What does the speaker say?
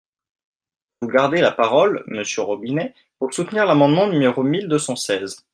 Vous gardez la parole, monsieur Robinet, pour soutenir l’amendement numéro mille deux cent seize.